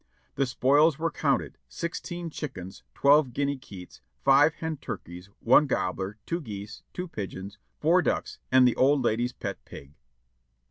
"The spoils were counted : sixteen chickens, twelve guinea keets. five hen turkeys, one gobbler, two geese, two pigeons, four ducks and the old lady's pet pig."